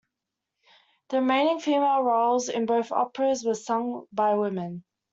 The remaining female roles in both operas were sung by women.